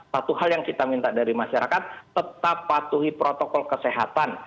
satu hal yang kita minta dari masyarakat tetap patuhi protokol kesehatan